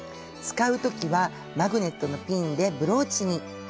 使うときはマグネットのピンでブローチに。